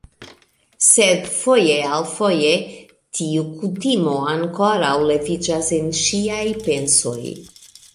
Sed, foje al foje, tiu kutimo ankoraŭ leviĝas en ŝiaj pensoj